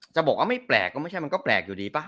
จะบอกว่าไม่แปลกก็ไม่ใช่มันก็แปลกอยู่ดีป่ะ